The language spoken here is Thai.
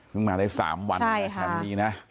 เพิ่งมาได้๓วันแถมนี้นะ